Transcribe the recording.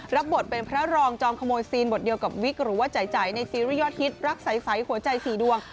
รับบทเป็นพระรองจอมขโมยซีนบทเดียวกับวิกหรือว่าจ่ายในซีรีสยอดฮิตรักใสหัวใจสี่ดวง